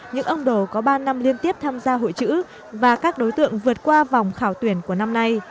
những ông đồ có ba năm liên tiếp tham gia hội chữ và các đối tượng vượt qua vòng khảo tuyển của năm nay